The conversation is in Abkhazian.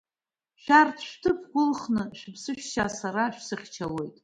Шәара шәҭыԥқәа ылхны шәыԥсы шәшьа, сара шәсыхьчалоит.